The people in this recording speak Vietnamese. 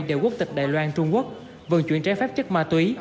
đều quốc tịch đài loan trung quốc vận chuyển trái phép chất ma túy